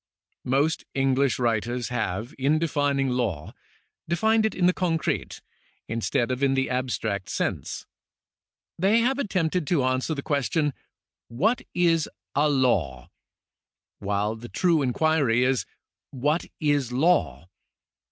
Most English writers have, in defining law, defined it in the concrete, instead of in the abstract sense. They have attempted to answer the question :" What is a law ?" while the true inquiry is :" What is law